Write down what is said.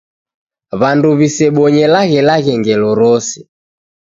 W'andu w'isebonye laghelaghe ngelo rose.